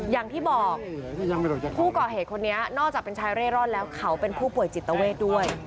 อย่างที่บอกผู้ก่อเหตุคนนี้นอกจากเป็นชายเร่ร่อนแล้วเขาเป็นผู้ป่วยจิตเวทด้วย